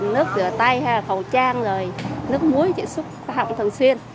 nước rửa tay hay là khẩu trang rồi nước muối chị xúc phạm thường xuyên